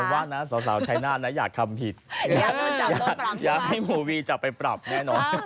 ว่านะสาวชายนาฏนะอยากทำผิดอยากให้หมู่วีจับไปปรับแน่นอน